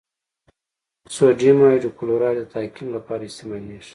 سوډیم هایپوکلورایټ د تعقیم لپاره استعمالیږي.